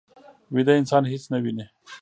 ویده انسان هېڅ نه ویني